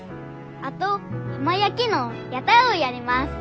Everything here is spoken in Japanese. あと浜焼きの屋台をやります。